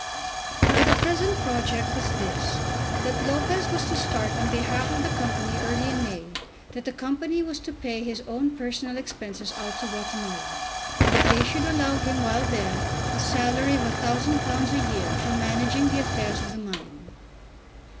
Now the present project was this, that Lopez was to start on behalf of the Company early in May, that the Company was to pay his own personal expenses out to Guatemala, and that they should allow him while there a salary of £1000 a year for managing the affairs of the mine.